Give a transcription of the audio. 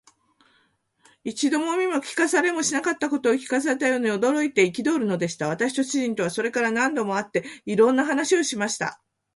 一度も見も聞きもしなかったことを聞かされたように、驚いて憤るのでした。私と主人とは、それから後も何度も会って、いろんな話をしました。